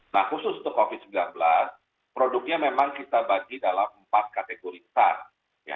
nah khusus untuk covid sembilan belas produknya memang kita bagi dalam empat kategori besar